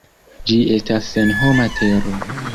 Ĝi estas senhoma tero.